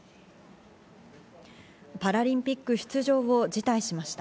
パラリンピック出場を辞退しました。